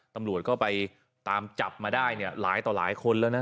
ตำรวจก็ไปตามจับมาได้เนี่ยหลายต่อหลายคนแล้วนะ